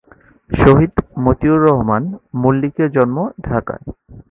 শহীদ মতিউর রহমান মল্লিকের জন্ম ঢাকায়।